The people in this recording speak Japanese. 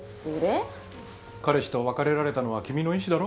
彼氏と別れられたのは君の意志だろ。